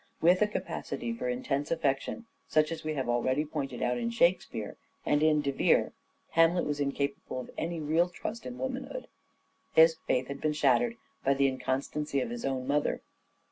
With a capacity for intense affection, such as we have already pointed out in " Shakespeare " and in De Vere, Hamlet was incapable of any real trust in womanhood. His faith had been shattered by the inconstancy of his own mother.